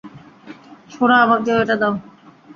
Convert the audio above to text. সোনা, আমাকেও এটা দাও।